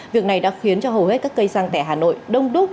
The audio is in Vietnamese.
việc này đã khiến cho hầu hết các cây xăng tại hà nội đông đúc